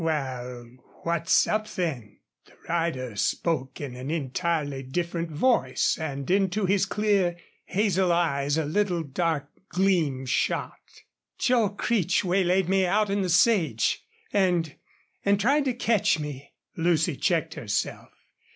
"Wal, what's up, then?" The rider spoke in an entirely different voice, and into his clear, hazel eyes a little dark gleam shot. "Joel Creech waylaid me out in the sage and and tried to catch me." Lucy checked herself.